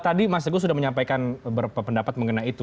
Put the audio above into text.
tadi mas teguh sudah menyampaikan beberapa pendapat mengenai itu